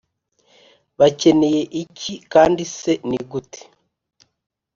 bakeneye iki kandi se ni gute